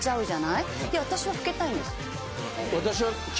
いや私は老けたいんです。